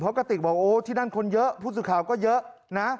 เพราะกะติกบอกที่นั่นคนเยอะผู้สุข่าวก็เยอะ